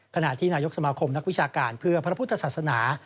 ขณะที่นายกสมาคมนักวิชาการเพื่อพระพุทธศาสนา